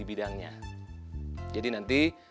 itu khutbah stendal